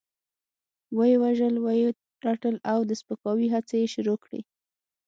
وه يې وژل، وه يې رټل او د سپکاوي هڅې يې شروع کړې.